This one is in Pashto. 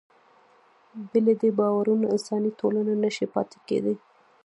بې له دې باورونو انساني ټولنه نهشي پاتې کېدی.